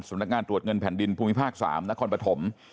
สมนักงานตรวจเงินผลักษณะพวกผู้มีภาค๓นครปฐม